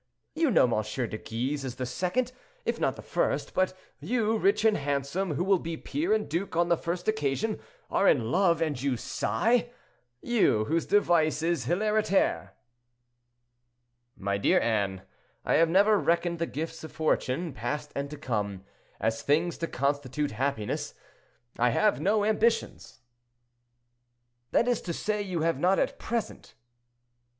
You know M. de Guise is the second, if not the first; but you, rich and handsome, who will be peer and duke on the first occasion, are in love, and you sigh!—you, whose device is 'hilariter.'" "My dear Anne, I have never reckoned the gifts of fortune, past and to come, as things to constitute happiness; I have no ambitions." "That is to say, you have not at present."